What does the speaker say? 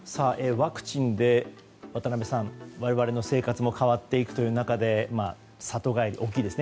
ワクチンで渡辺さん我々の生活も変わっていくという中で里帰り、大きいですね。